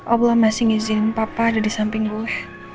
allah masih ngizin papa ada di samping gue